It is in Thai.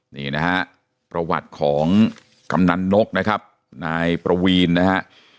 นี่นะฮะประวัติของกำนันนกนะครับนายประวีนนะฮะ